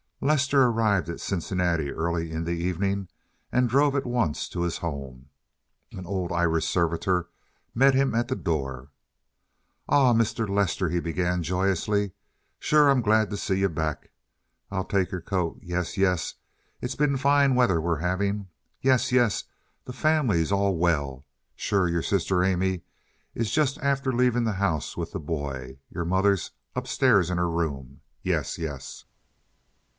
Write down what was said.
Lester arrived at Cincinnati early in the evening, and drove at once to his home. An old Irish servitor met him at the door. "Ah, Mr. Lester," he began, joyously, "sure I'm glad to see you back. I'll take your coat. Yes, yes, it's been fine weather we're having. Yes, yes, the family's all well. Sure your sister Amy is just after leavin' the house with the boy. Your mother's up stairs in her room. Yes, yes."